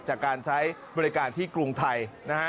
จากการใช้บริการที่กรุงไทยนะฮะ